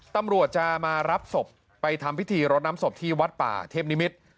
ตำรวจจะมารับศพไปทำพิธีรดน้ำศพที่วัดป่าเทพนิมิตร